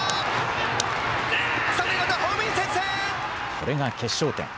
これが決勝点。